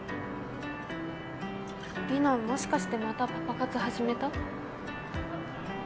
リナもしかしてまたパパ活始めた？